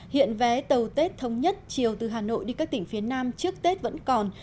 hiện vé tàu tết thống nhất chiều từ hà nội đi các tỉnh phía nam trước tết vẫn còn